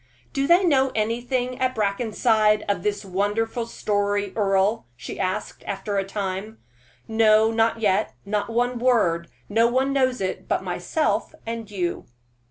"Do they know anything at Brackenside of this wonderful story, Earle?" she asked, after a time. "No, not yet not one word; no one knows it but myself and you."